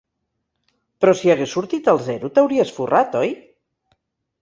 Però si hagués sortit el zero t'hauries forrat, oi?